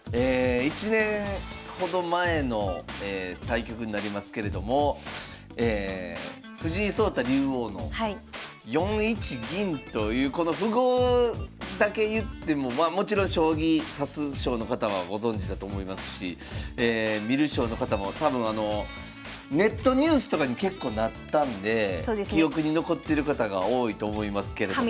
１年ほど前の対局になりますけれども藤井聡太竜王の４一銀というこの符号だけ言ってもまあもちろん将棋指す将の方はご存じだと思いますし観る将の方も多分あのネットニュースとかに結構なったんで記憶に残ってる方が多いと思いますけれども。